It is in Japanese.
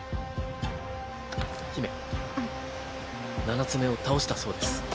七つ眼を倒したそうです。